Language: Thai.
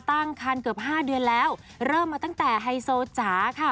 ตั้งคันเกือบห้าเดือนแล้วเริ่มมาตั้งแต่ไฮโซจ๋าค่ะ